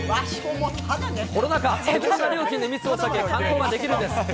コロナ禍、手ごろな料金で密を避け、観光ができるんです。